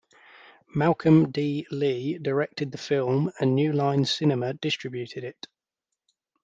Malcolm D. Lee directed the film and New Line Cinema distributed it.